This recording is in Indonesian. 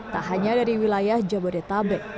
tak hanya dari wilayah jabodetabek